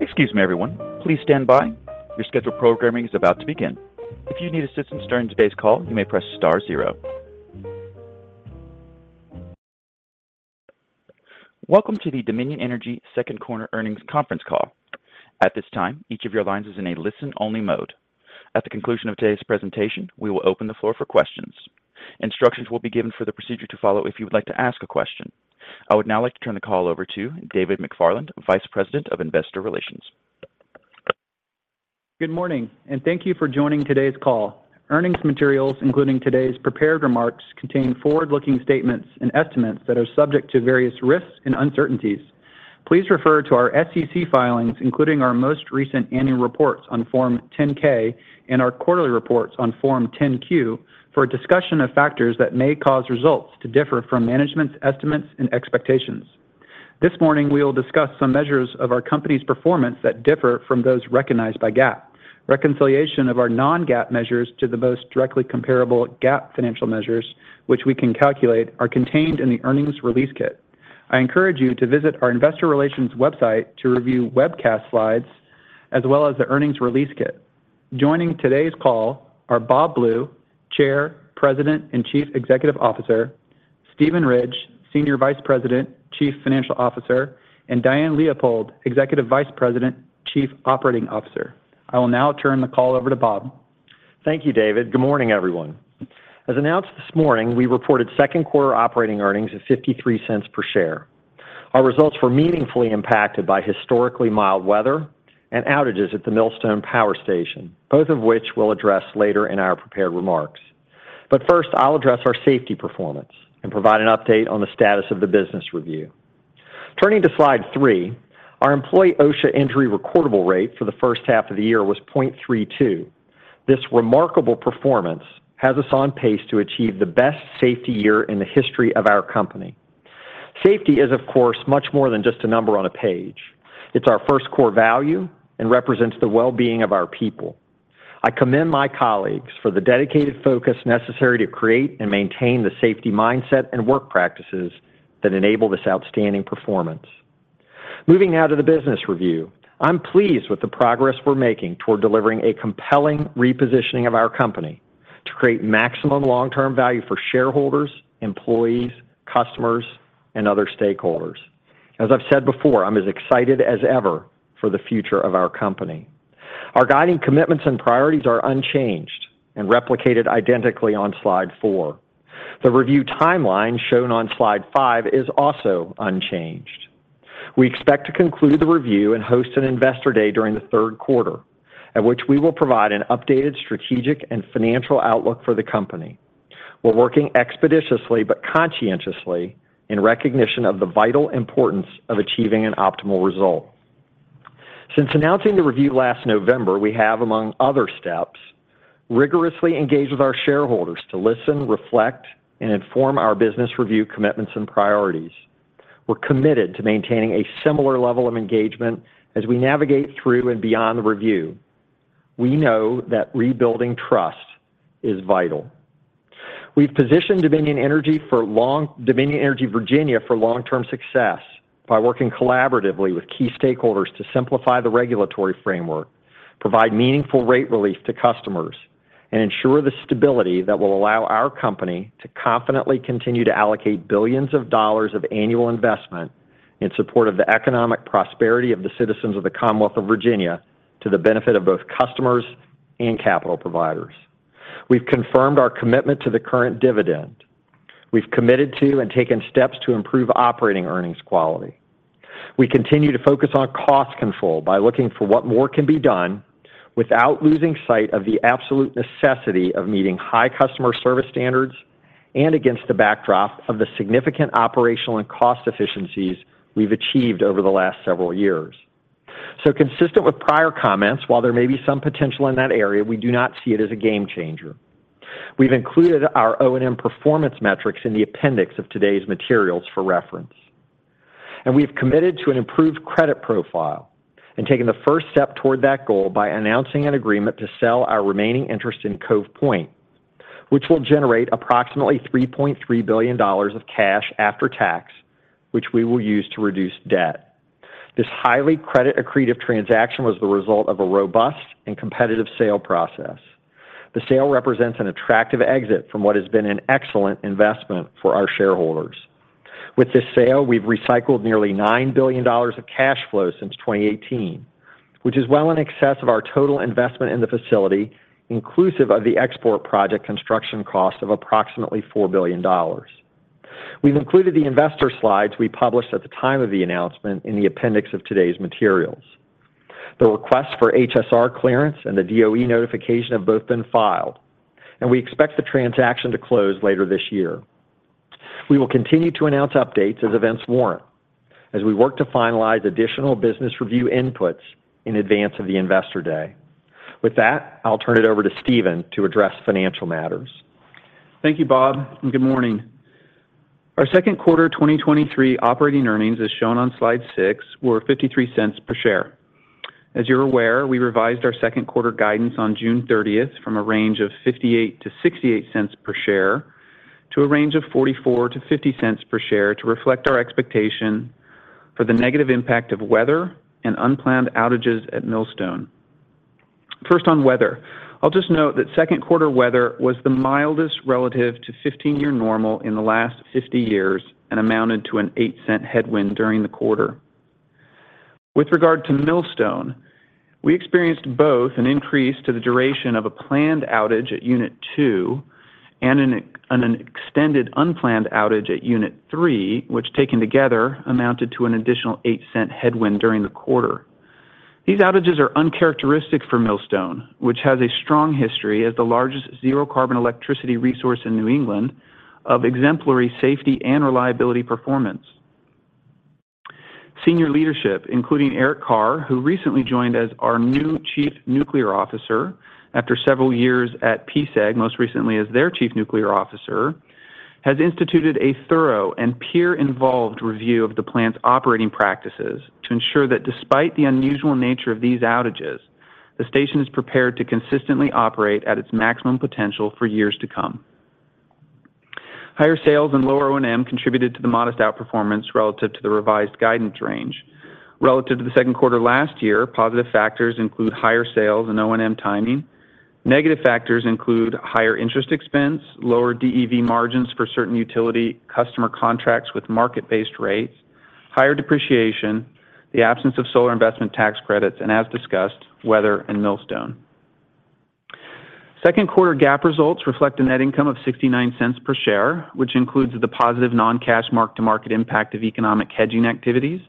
Excuse me, everyone. Please stand by. Your scheduled programming is about to begin. If you need assistance during today's call, you may press star zero. Welcome to the Dominion Energy second quarter earnings conference call. At this time, each of your lines is in a listen-only mode. At the conclusion of today's presentation, we will open the floor for questions. Instructions will be given for the procedure to follow if you would like to ask a question. I would now like to turn the call over to David McFarland, Vice President of Investor Relations. Good morning. Thank you for joining today's call. Earnings materials, including today's prepared remarks, contain forward-looking statements and estimates that are subject to various risks and uncertainties. Please refer to our SEC filings, including our most recent annual reports on Form 10-K and our quarterly reports on Form 10-Q, for a discussion of factors that may cause results to differ from management's estimates and expectations. This morning, we will discuss some measures of our company's performance that differ from those recognized by GAAP. Reconciliation of our non-GAAP measures to the most directly comparable GAAP financial measures, which we can calculate, are contained in the earnings release kit. I encourage you to visit our investor relations website to review webcast slides, as well as the earnings release kit. Joining today's call are Bob Blue, Chair, President, and Chief Executive Officer, Steven Ridge, Senior Vice President, Chief Financial Officer, and Diane Leopold, Executive Vice President, Chief Operating Officer. I will now turn the call over to Bob. Thank you, David. Good morning, everyone. As announced this morning, we reported second quarter operating earnings of $0.53 per share. Our results were meaningfully impacted by historically mild weather and outages at the Millstone Power Station, both of which we'll address later in our prepared remarks. First, I'll address our safety performance and provide an update on the status of the business review. Turning to slide three, our employee OSHA injury recordable rate for the first half of the year was 0.32. This remarkable performance has us on pace to achieve the best safety year in the history of our company. Safety is, of course, much more than just a number on a page. It's our first core value and represents the well-being of our people. I commend my colleagues for the dedicated focus necessary to create and maintain the safety mindset and work practices that enable this outstanding performance. Moving now to the business review, I'm pleased with the progress we're making toward delivering a compelling repositioning of our company to create maximum long-term value for shareholders, employees, customers, and other stakeholders. As I've said before, I'm as excited as ever for the future of our company. Our guiding commitments and priorities are unchanged and replicated identically on slide 4. The review timeline shown on slide 5 is also unchanged. We expect to conclude the review and host an Investor Day during the third quarter, at which we will provide an updated strategic and financial outlook for the company. We're working expeditiously but conscientiously in recognition of the vital importance of achieving an optimal result. Since announcing the review last November, we have, among other steps, rigorously engaged with our shareholders to listen, reflect, and inform our business review commitments and priorities. We're committed to maintaining a similar level of engagement as we navigate through and beyond the review. We know that rebuilding trust is vital. We've positioned Dominion Energy Virginia for long-term success by working collaboratively with key stakeholders to simplify the regulatory framework, provide meaningful rate relief to customers, and ensure the stability that will allow our company to confidently continue to allocate billions of $ of annual investment in support of the economic prosperity of the citizens of the Commonwealth of Virginia, to the benefit of both customers and capital providers. We've confirmed our commitment to the current dividend. We've committed to and taken steps to improve operating earnings quality. We continue to focus on cost control by looking for what more can be done without losing sight of the absolute necessity of meeting high customer service standards and against the backdrop of the significant operational and cost efficiencies we've achieved over the last several years. Consistent with prior comments, while there may be some potential in that area, we do not see it as a game changer. We've included our O&M performance metrics in the appendix of today's materials for reference. We've committed to an improved credit profile and taken the first step toward that goal by announcing an agreement to sell our remaining interest in Cove Point, which will generate approximately $3.3 billion of cash after tax, which we will use to reduce debt. This highly credit accretive transaction was the result of a robust and competitive sale process. The sale represents an attractive exit from what has been an excellent investment for our shareholders. With this sale, we've recycled nearly $9 billion of cash flow since 2018, which is well in excess of our total investment in the facility, inclusive of the export project construction cost of approximately $4 billion. We've included the investor slides we published at the time of the announcement in the appendix of today's materials. The request for HSR clearance and the DOE notification have both been filed, and we expect the transaction to close later this year. We will continue to announce updates as events warrant, as we work to finalize additional business review inputs in advance of the Investor Day. With that, I'll turn it over to Steven to address financial matters. Thank you, Bob, good morning. Our second quarter 2023 operating earnings, as shown on slide six, were $0.53 per share. As you're aware, we revised our second quarter guidance on June 30th from a range of $0.58-$0.68 per share to a range of $0.44-$0.50 per share to reflect our expectation for the negative impact of weather and unplanned outages at Millstone. First, on weather. I'll just note that second quarter weather was the mildest relative to 15-year normal in the last 50 years and amounted to an $0.08 headwind during the quarter. With regard to Millstone, we experienced both an increase to the duration of a planned outage at Unit 2 and an extended unplanned outage at Unit 3, which, taken together, amounted to an additional $0.08 headwind during the quarter. These outages are uncharacteristic for Millstone, which has a strong history as the largest zero carbon electricity resource in New England of exemplary safety and reliability performance. Senior leadership, including Eric Carr, who recently joined as our new Chief Nuclear Officer after several years at PSEG, most recently as their Chief Nuclear Officer, has instituted a thorough and peer-involved review of the plant's operating practices to ensure that despite the unusual nature of these outages, the station is prepared to consistently operate at its maximum potential for years to come. Higher sales and lower O&M contributed to the modest outperformance relative to the revised guidance range. Relative to the second quarter last year, positive factors include higher sales and O&M timing. Negative factors include higher interest expense, lower DEV margins for certain utility customer contracts with market-based rates, higher depreciation, the absence of solar investment tax credits, and as discussed, weather and Millstone. Second quarter GAAP results reflect a net income of $0.69 per share, which includes the positive non-cash mark-to-market impact of economic hedging activities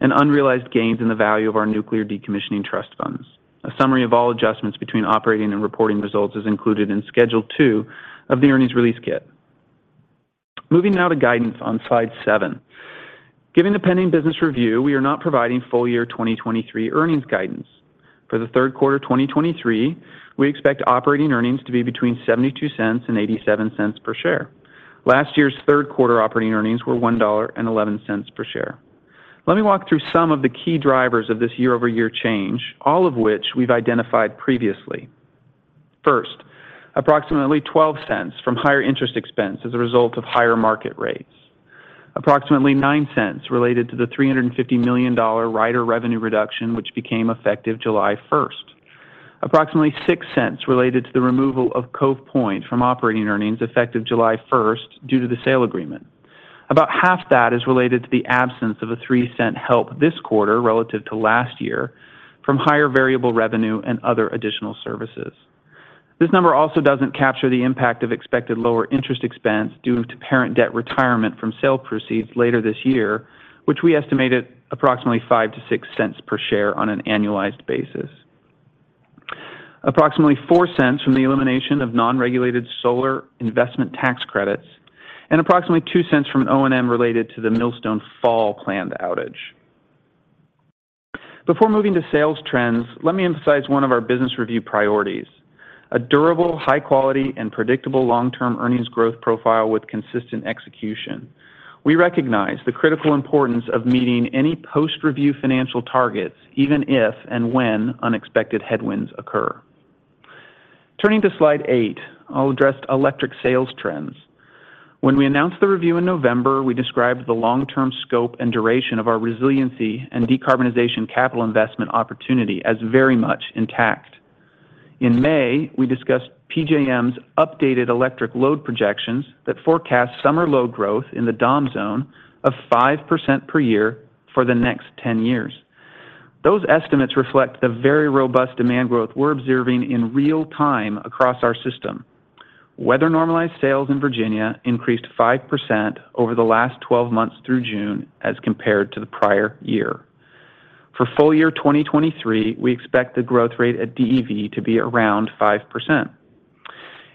and unrealized gains in the value of our nuclear decommissioning trust funds. A summary of all adjustments between operating and reporting results is included in Schedule Two of the earnings release kit. Moving now to guidance on Slide 7. Given the pending business review, we are not providing full year 2023 earnings guidance. For the third quarter 2023, we expect operating earnings to be between $0.72 and $0.87 per share. Last year's third quarter operating earnings were $1.11 per share. Let me walk through some of the key drivers of this year-over-year change, all of which we've identified previously. First, approximately $0.12 from higher interest expense as a result of higher market rates. Approximately $0.09 related to the $350 million rider revenue reduction, which became effective July 1. Approximately $0.06 related to the removal of Cove Point from operating earnings, effective July 1, due to the sale agreement. About half that is related to the absence of a 3-cent help this quarter relative to last year from higher variable revenue and other additional services. This number also doesn't capture the impact of expected lower interest expense due to parent debt retirement from sale proceeds later this year, which we estimated approximately $0.05-$0.06 per share on an annualized basis. Approximately $0.04 from the elimination of non-regulated solar investment tax credits, and approximately $0.02 from O&M related to the Millstone fall planned outage. Before moving to sales trends, let me emphasize one of our business review priorities: a durable, high quality, and predictable long-term earnings growth profile with consistent execution. We recognize the critical importance of meeting any post-review financial targets, even if and when unexpected headwinds occur. Turning to Slide 8, I'll address electric sales trends. When we announced the review in November, we described the long-term scope and duration of our resiliency and decarbonization capital investment opportunity as very much intact. In May, we discussed PJM's updated electric load projections that forecast summer load growth in the Dom zone of 5% per year for the next 10 years. Those estimates reflect the very robust demand growth we're observing in real time across our system. Weather-normalized sales in Virginia increased 5% over the last 12 months through June as compared to the prior year. For full year 2023, we expect the growth rate at DEV to be around 5%.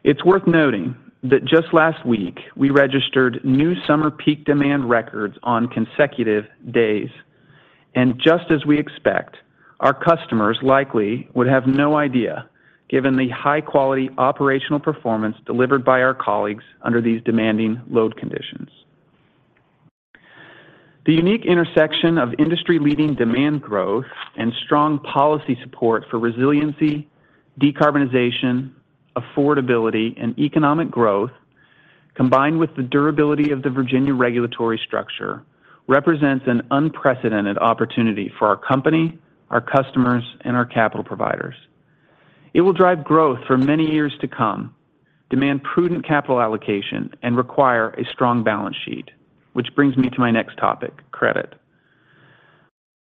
It's worth noting that just last week, we registered new summer peak demand records on consecutive days, and just as we expect, our customers likely would have no idea, given the high-quality operational performance delivered by our colleagues under these demanding load conditions. The unique intersection of industry-leading demand growth and strong policy support for resiliency, decarbonization, affordability, and economic growth, combined with the durability of the Virginia regulatory structure, represents an unprecedented opportunity for our company, our customers, and our capital providers. It will drive growth for many years to come, demand prudent capital allocation, and require a strong balance sheet. Which brings me to my next topic, credit.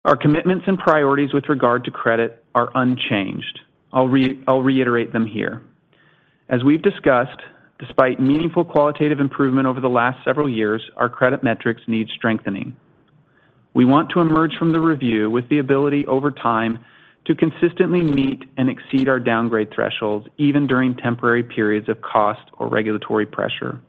Our commitments and priorities with regard to credit are unchanged. I'll reiterate them here. As we've discussed, despite meaningful qualitative improvement over the last several years, our credit metrics need strengthening. We want to emerge from the review with the ability over time to consistently meet and exceed our downgrade thresholds, even during temporary periods of cost or regulatory pressure.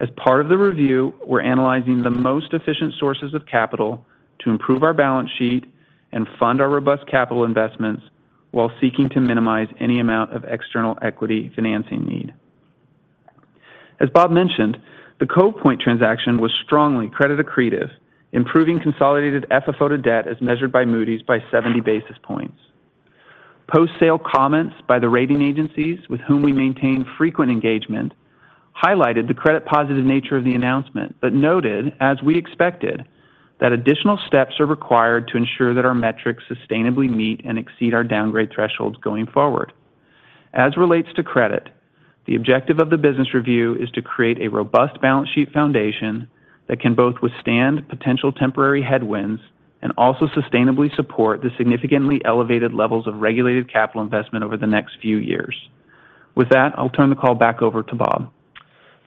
As part of the review, we're analyzing the most efficient sources of capital to improve our balance sheet and fund our robust capital investments while seeking to minimize any amount of external equity financing need. As Bob mentioned, the Cove Point transaction was strongly credit accretive, improving consolidated FFO to debt as measured by Moody's by 70 basis points. Post-sale comments by the rating agencies with whom we maintain frequent engagement highlighted the credit-positive nature of the announcement, noted, as we expected, that additional steps are required to ensure that our metrics sustainably meet and exceed our downgrade thresholds going forward. Relates to credit, the objective of the business review is to create a robust balance sheet foundation that can both withstand potential temporary headwinds and also sustainably support the significantly elevated levels of regulated capital investment over the next few years. With that, I'll turn the call back over to Bob.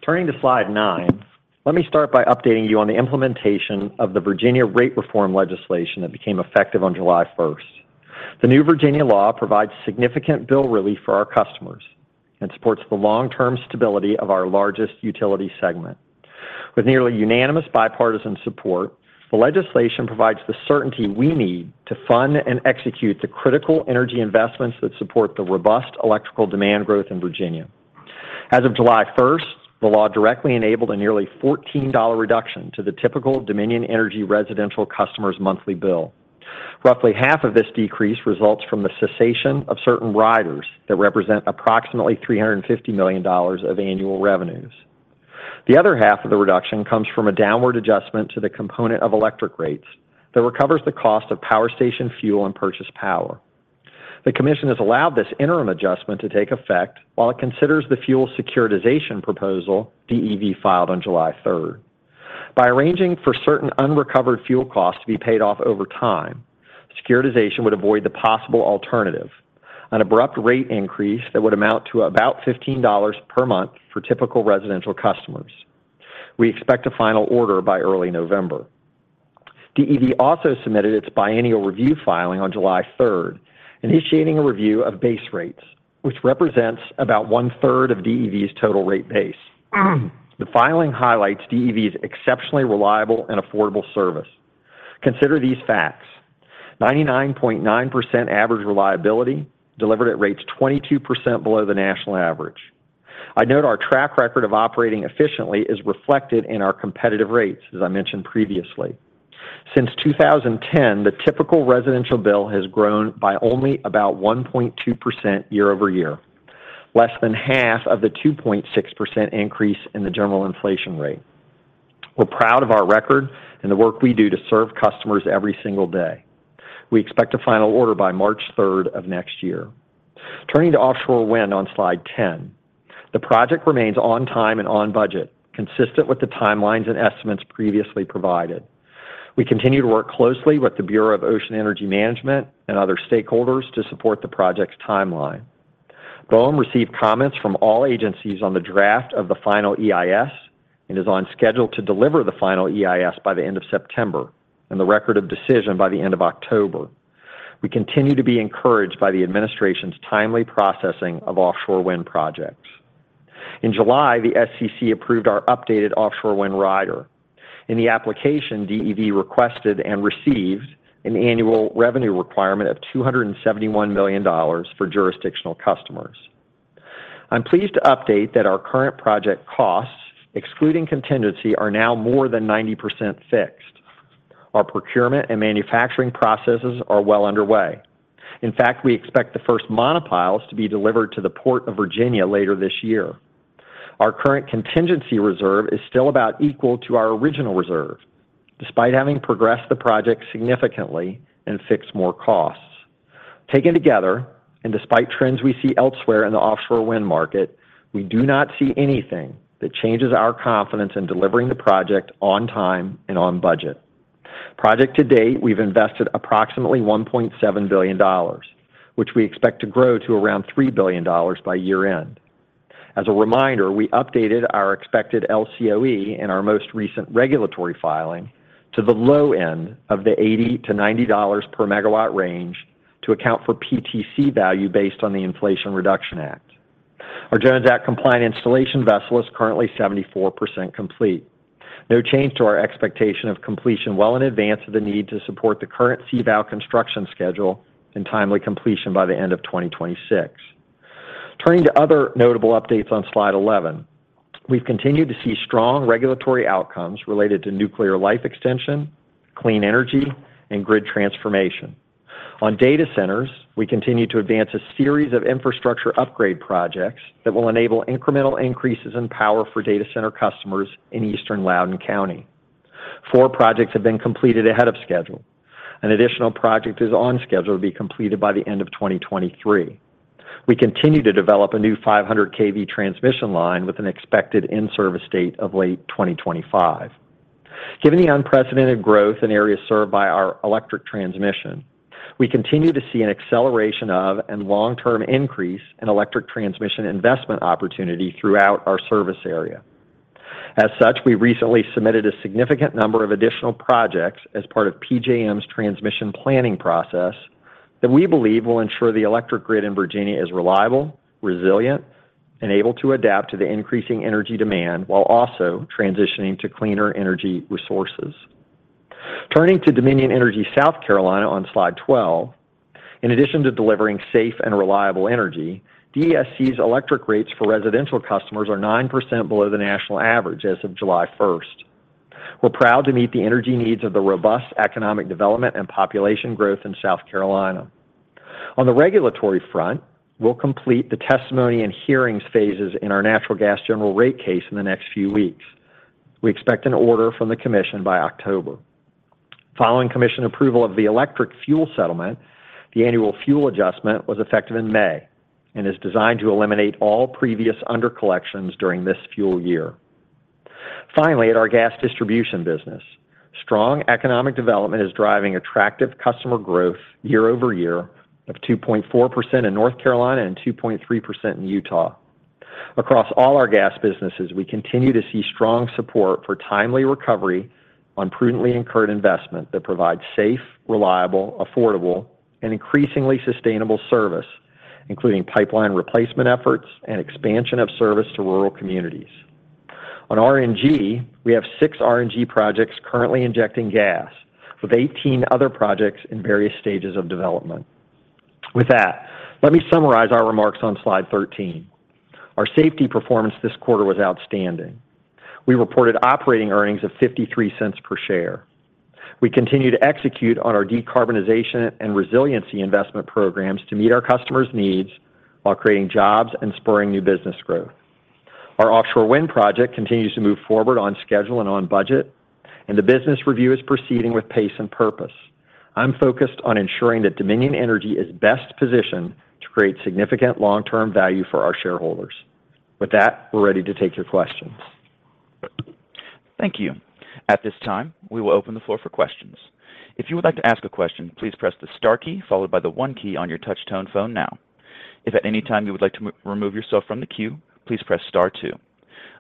Turning to slide 9, let me start by updating you on the implementation of the Virginia rate reform legislation that became effective on July first. The new Virginia law provides significant bill relief for our customers and supports the long-term stability of our largest utility segment. With nearly unanimous bipartisan support, the legislation provides the certainty we need to fund and execute the critical energy investments that support the robust electrical demand growth in Virginia. As of July first, the law directly enabled a nearly $14 reduction to the typical Dominion Energy residential customer's monthly bill. Roughly half of this decrease results from the cessation of certain riders that represent approximately $350 million of annual revenues. The other half of the reduction comes from a downward adjustment to the component of electric rates that recovers the cost of power station fuel and purchase power. The commission has allowed this interim adjustment to take effect while it considers the fuel securitization proposal DEV filed on July third. By arranging for certain unrecovered fuel costs to be paid off over time, securitization would avoid the possible alternative: an abrupt rate increase that would amount to about $15 per month for typical residential customers. We expect a final order by early November. DEV also submitted its biennial review filing on July third, initiating a review of base rates, which represents about one-third of DEV's total rate base. The filing highlights DEV's exceptionally reliable and affordable service. Consider these facts: 99.9% average reliability, delivered at rates 22% below the national average. I note our track record of operating efficiently is reflected in our competitive rates, as I mentioned previously. Since 2010, the typical residential bill has grown by only about 1.2% year over year, less than half of the 2.6% increase in the general inflation rate. We're proud of our record and the work we do to serve customers every single day. We expect a final order by March 3 of next year. Turning to offshore wind on slide 10. The project remains on time and on budget, consistent with the timelines and estimates previously provided. We continue to work closely with the Bureau of Ocean Energy Management and other stakeholders to support the project's timeline. BOEM received comments from all agencies on the draft of the final EIS and is on schedule to deliver the final EIS by the end of September, and the record of decision by the end of October. We continue to be encouraged by the administration's timely processing of offshore wind projects. In July, the SEC approved our updated offshore wind rider. In the application, DEV requested and received an annual revenue requirement of $271 million for jurisdictional customers. I'm pleased to update that our current project costs, excluding contingency, are now more than 90% fixed. Our procurement and manufacturing processes are well underway. In fact, we expect the first monopiles to be delivered to the Port of Virginia later this year. Our current contingency reserve is still about equal to our original reserve, despite having progressed the project significantly and fixed more costs. Taken together, and despite trends we see elsewhere in the offshore wind market, we do not see anything that changes our confidence in delivering the project on time and on budget. Project to date, we've invested approximately $1.7 billion, which we expect to grow to around $3 billion by year-end. As a reminder, we updated our expected LCOE in our most recent regulatory filing to the low end of the $80-$90 per megawatt range to account for PTC value based on the Inflation Reduction Act. Our Jones Act-compliant installation vessel is currently 74% complete. No change to our expectation of completion well in advance of the need to support the current CVOW construction schedule and timely completion by the end of 2026. Turning to other notable updates on slide 11. We've continued to see strong regulatory outcomes related to nuclear life extension, clean energy, and grid transformation. On data centers, we continue to advance a series of infrastructure upgrade projects that will enable incremental increases in power for data center customers in Eastern Loudoun County. Four projects have been completed ahead of schedule. An additional project is on schedule to be completed by the end of 2023. We continue to develop a new 500 kV transmission line with an expected in-service date of late 2025. Given the unprecedented growth in areas served by our electric transmission, we continue to see an acceleration of and long-term increase in electric transmission investment opportunity throughout our service area. As such, we recently submitted a significant number of additional projects as part of PJM's transmission planning process that we believe will ensure the electric grid in Virginia is reliable, resilient, and able to adapt to the increasing energy demand while also transitioning to cleaner energy resources. Turning to Dominion Energy South Carolina on slide 12. In addition to delivering safe and reliable energy, DESC's electric rates for residential customers are 9% below the national average as of July 1st. We're proud to meet the energy needs of the robust economic development and population growth in South Carolina. On the regulatory front, we'll complete the testimony and hearings phases in our natural gas general rate case in the next few weeks. We expect an order from the commission by October. Following commission approval of the electric fuel settlement, the annual fuel adjustment was effective in May and is designed to eliminate all previous under collections during this fuel year. At our gas distribution business, strong economic development is driving attractive customer growth year-over-year of 2.4% in North Carolina and 2.3% in Utah. Across all our gas businesses, we continue to see strong support for timely recovery on prudently incurred investment that provides safe, reliable, affordable, and increasingly sustainable service, including pipeline replacement efforts and expansion of service to rural communities. On RNG, we have six RNG projects currently injecting gas, with 18 other projects in various stages of development. With that, let me summarize our remarks on slide 13. Our safety performance this quarter was outstanding. We reported operating earnings of $0.53 per share. We continue to execute on our decarbonization and resiliency investment programs to meet our customers' needs while creating jobs and spurring new business growth. Our offshore wind project continues to move forward on schedule and on budget, and the business review is proceeding with pace and purpose. I'm focused on ensuring that Dominion Energy is best positioned to create significant long-term value for our shareholders. With that, we're ready to take your questions. Thank you. At this time, we will open the floor for questions. If you would like to ask a question, please press the star key followed by the 1 key on your touch tone phone now. If at any time you would like to remove yourself from the queue, please press star 2.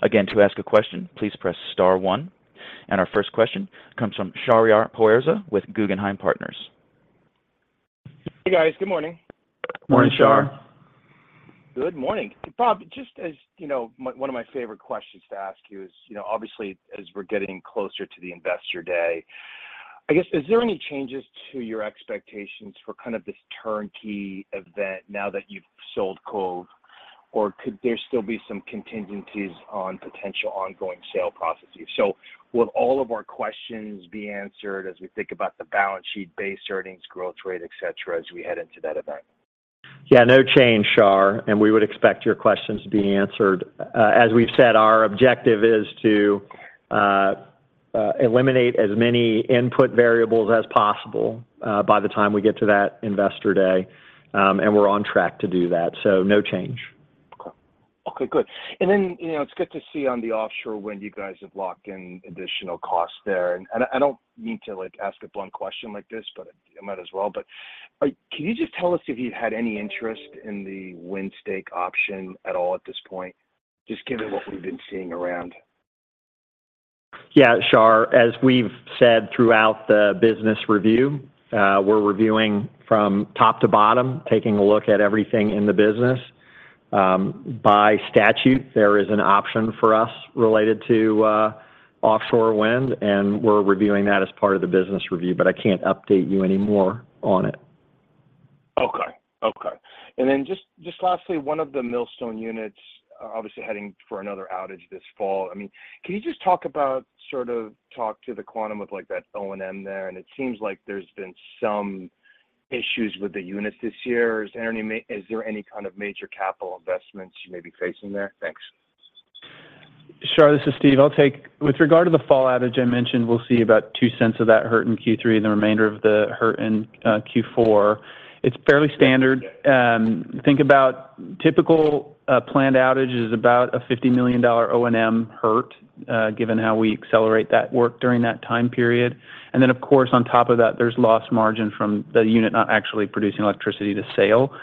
Again, to ask a question, please press star 1. Our first question comes from Shar Pourreza with Guggenheim Partners. Hey, guys. Good morning. Morning, Shar. Morning. Good morning. Bob, just as you know, one, one of my favorite questions to ask you is, you know, obviously, as we're getting closer to the Investor Day, I guess, is there any changes to your expectations for kind of this turnkey event now that you've sold Cove? Could there still be some contingencies on potential ongoing sale processes? Will all of our questions be answered as we think about the balance sheet, base earnings, growth rate, et cetera, as we head into that event? Yeah, no change, Shar, and we would expect your questions to be answered. As we've said, our objective is to eliminate as many input variables as possible by the time we get to that Investor Day, and we're on track to do that, so no change. Okay. Okay, good. You know, it's good to see on the offshore wind, you guys have locked in additional costs there. I don't mean to, like, ask a blunt question like this, but I might as well. Can you just tell us if you've had any interest in the wind stake option at all at this point, just given what we've been seeing around? Yeah, Shar, as we've said throughout the business review, we're reviewing from top to bottom, taking a look at everything in the business. By statute, there is an option for us related to offshore wind, and we're reviewing that as part of the business review, but I can't update you any more on it. Okay. Okay. Just, just lastly, one of the Millstone units, obviously heading for another outage this fall. I mean, can you just talk about sort of talk to the quantum of, like, that O&M there? It seems like there's been some issues with the units this year. Is there any kind of major capital investments you may be facing there? Thanks. Shar, this is Steve. With regard to the fall outage I mentioned, we'll see about $0.02 of that hurt in Q3 and the remainder of the hurt in Q4. It's fairly standard. Think about typical planned outage is about a $50 million O&M hurt given how we accelerate that work during that time period. And then, of course, on top of that, there's lost margin from the unit not actually producing electricity to sale.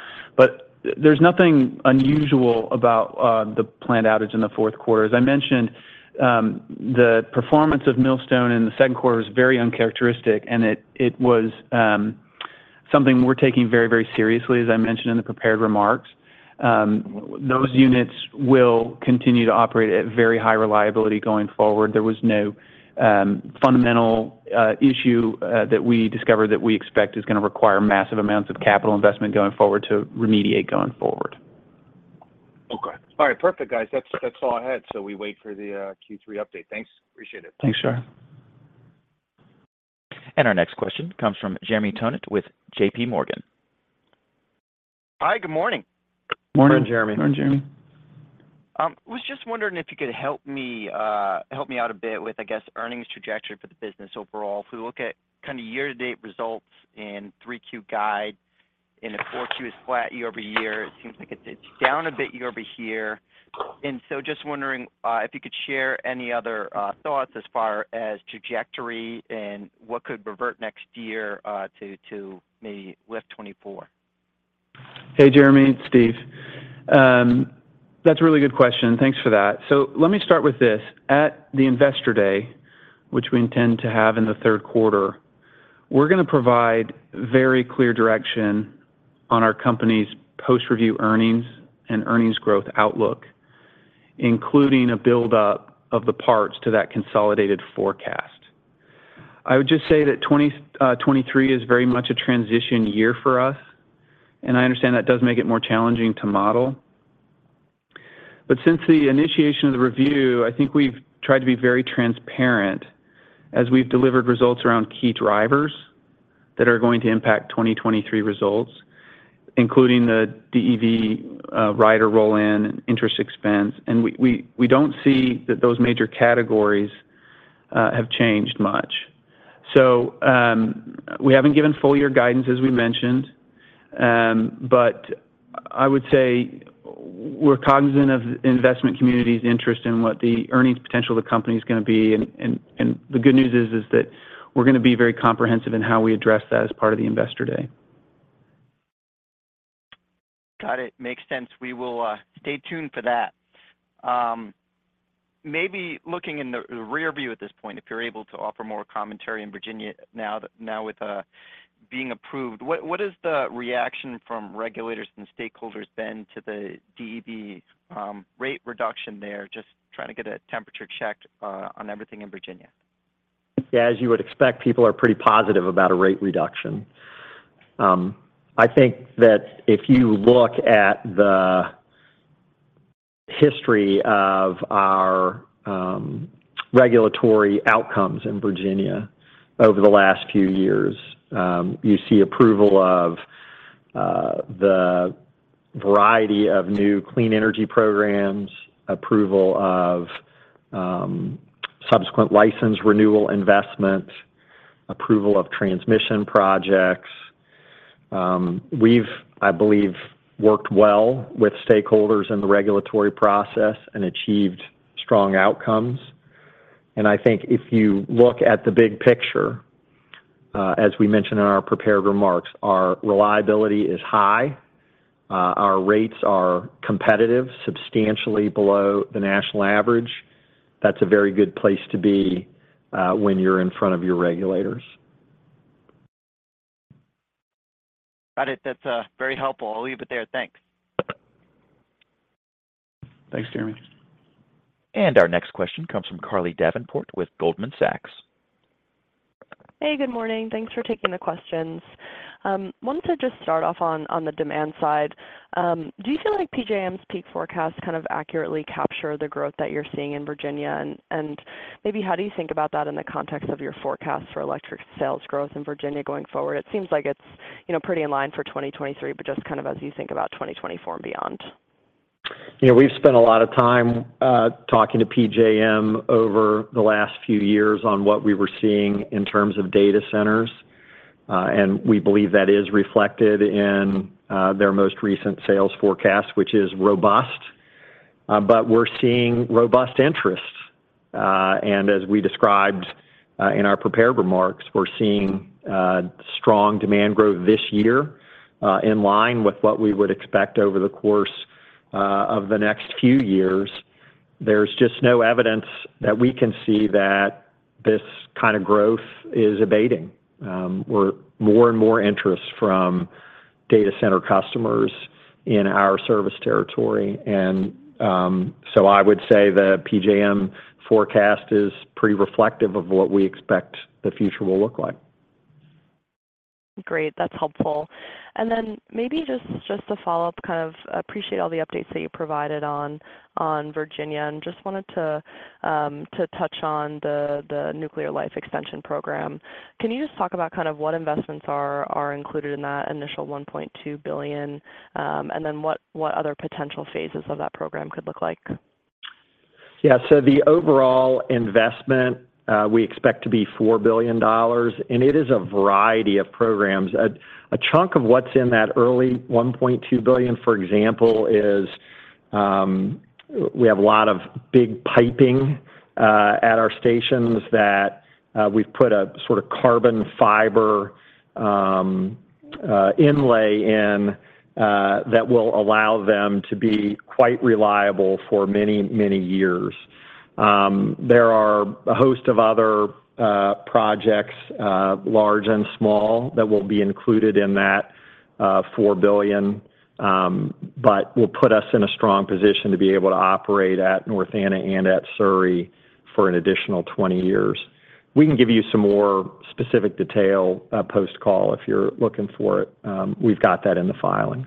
There's nothing unusual about the planned outage in the fourth quarter. As I mentioned, the performance of Millstone in the second quarter was very uncharacteristic, and it was something we're taking very, very seriously, as I mentioned in the prepared remarks. Those units will continue to operate at very high reliability going forward. There was no fundamental issue that we discovered that we expect is going to require massive amounts of capital investment going forward to remediate going forward. Okay. All right. Perfect, guys. That's all I had. We wait for the Q3 update. Thanks. Appreciate it. Thanks, Shar. Our next question comes from Jeremy Tonet with JPMorgan. Hi, good morning. Morning, Jeremy. Morning, Jeremy. Was just wondering if you could help me, help me out a bit with, I guess, earnings trajectory for the business overall. If we look at kind of year-to-date results in 3Q guide, and the 4Q is flat year-over-year, it seems like it's, it's down a bit year-over-year. Just wondering if you could share any other thoughts as far as trajectory and what could revert next year, to, to maybe lift 2024? Hey, Jeremy, it's Steve. That's a really good question. Thanks for that. Let me start with this. At the Investor Day, which we intend to have in the third quarter, we're going to provide very clear direction on our company's post-review earnings and earnings growth outlook, including a build-up of the parts to that consolidated forecast. I would just say that 2023 is very much a transition year for us, and I understand that does make it more challenging to model. Since the initiation of the review, I think we've tried to be very transparent as we've delivered results around key drivers that are going to impact 2023 results, including the EV rider roll-in and interest expense. We don't see that those major categories have changed much. We haven't given full year guidance, as we mentioned, but I would say we're cognizant of the investment community's interest in what the earnings potential of the company is going to be, and the good news is that we're going to be very comprehensive in how we address that as part of the Investor Day. Got it. Makes sense. We will stay tuned for that. Maybe looking in the rearview at this point, if you're able to offer more commentary in Virginia now that, now with being approved, what, what is the reaction from regulators and stakeholders then to the DEV rate reduction there? Just trying to get a temperature check on everything in Virginia. Yeah, as you would expect, people are pretty positive about a rate reduction. I think that if you look at the history of our regulatory outcomes in Virginia over the last few years, you see approval of the variety of new clean energy programs, approval of subsequent license renewal investment, approval of transmission projects. We've, I believe, worked well with stakeholders in the regulatory process and achieved strong outcomes. I think if you look at the big picture, as we mentioned in our prepared remarks, our reliability is high, our rates are competitive, substantially below the national average. That's a very good place to be when you're in front of your regulators. Got it. That's, very helpful. I'll leave it there. Thanks. Thanks, Jeremy. Our next question comes from Carly Davenport with Goldman Sachs. Hey, good morning. Thanks for taking the questions. wanted to just start off on the demand side. Do you feel like PJM's peak forecast kind of accurately capture the growth that you're seeing in Virginia? Maybe how do you think about that in the context of your forecast for electric sales growth in Virginia going forward? It seems like it's, you know, pretty in line for 2023, but just kind of as you think about 2024 and beyond. You know, we've spent a lot of time talking to PJM over the last few years on what we were seeing in terms of data centers, and we believe that is reflected in their most recent sales forecast, which is robust. We're seeing robust interest, and as we described in our prepared remarks, we're seeing strong demand growth this year, in line with what we would expect over the course of the next few years. There's just no evidence that we can see that this kind of growth is abating. We're more and more interest from data center customers in our service territory. I would say the PJM forecast is pretty reflective of what we expect the future will look like. Great. That's helpful. Maybe just, just to follow up, kind of appreciate all the updates that you provided on Virginia, and just wanted to touch on the Nuclear Life Extension program. Can you just talk about kind of what investments are included in that initial $1.2 billion, and then what, what other potential phases of that program could look like? Yeah. The overall investment, we expect to be $4 billion, and it is a variety of programs. A chunk of what's in that early $1.2 billion, for example, is, we have a lot of big piping at our stations that we've put a sort of carbon fiber inlay in that will allow them to be quite reliable for many, many years. There are a host of other projects, large and small, that will be included in that $4 billion, but will put us in a strong position to be able to operate at North Anna and at Surry for an additional 20 years. We can give you some more specific detail, post-call, if you're looking for it. We've got that in the filings.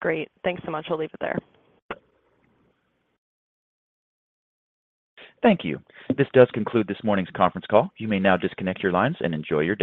Great. Thanks so much. I'll leave it there. Thank you. This does conclude this morning's conference call. You may now disconnect your lines and enjoy your day.